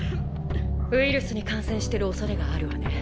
ウイルスに感染してるおそれがあるわね。